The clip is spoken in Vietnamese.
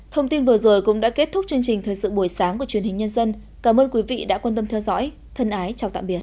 thông tin vừa rồi cũng đã kết thúc chương trình thời sự buổi sáng của truyền hình nhân dân cảm ơn quý vị đã quan tâm theo dõi thân ái chào tạm biệt